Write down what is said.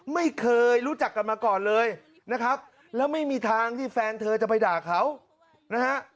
ไม่เคยรู้จักกันมาก่อนเลยนะครับแล้วไม่มีทางที่แฟนเธอจะไปด่าเขานะฮะ